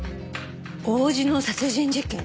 王子の殺人事件？